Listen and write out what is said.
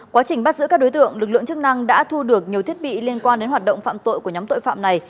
quá trình bắt giữ các đối tượng lực lượng chức năng đã thu được nhiều thiết bị liên quan đến hoạt động phạm tội của nhóm tội phạm này